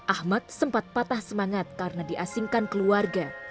ahmad sempat patah semangat karena diasingkan keluarga